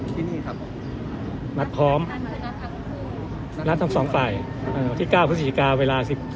ที่นี่ครับนัดพร้อมนัดทั้งสองฝ่ายอ่าที่เก้าพฤษฐิกาเวลาสิบสาม